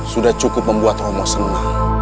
sudah cukup membuat romo senang